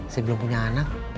saya belum punya anak